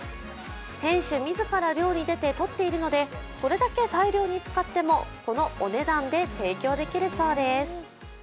店主自ら漁に出て取っているのでこれだけ大量に使ってもこのお値段で提供できるそうです。